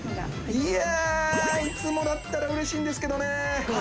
いやいつもだったらうれしいんですけどね。